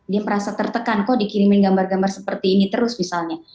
dia merasa tertekan kok dikirimin gambar gambar seperti ini terus misalnya